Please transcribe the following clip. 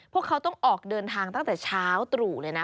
พวกเขาต้องออกเดินทางตั้งแต่เช้าตรู่เลยนะ